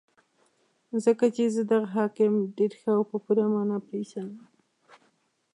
ځکه چې زه دغه حاکم ډېر ښه او په پوره مانا پېژنم.